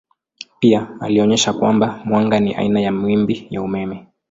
Pia alionyesha kwamba mwanga ni aina ya mawimbi ya umeme.